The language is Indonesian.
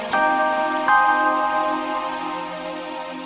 dan aku harus melindungimu